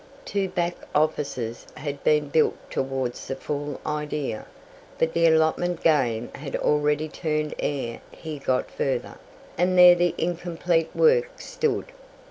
Two back offices had been built towards the full idea, but the allotment game had already turned ere he got further, and there the incomplete work stood.